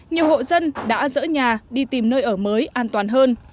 nhiều hộ dân đã dỡ nhà đi tìm nơi ở mới an toàn hơn